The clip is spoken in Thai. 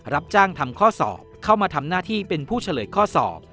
รับจ้างทำข้อสอบเข้ามาทำหน้าที่เป็นผู้เฉลยข้อสอบ